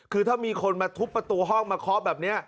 คือถ้ามีคนมาทุบประตูห้องมาเคาะแบบนี้